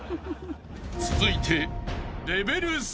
［続いて］